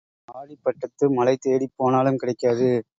ஆடிப் பட்டத்து மழை தேடிப் போனாலும் கிடைக்காது.